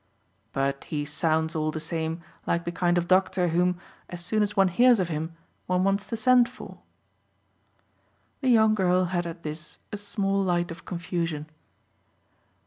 "But he sounds all the same like the kind of doctor whom, as soon as one hears of him, one wants to send for." The young girl had at this a small light of confusion.